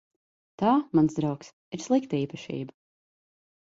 Tā, mans draugs, ir slikta īpašība.